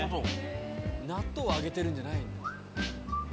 納豆を揚げてるんじゃないんだ。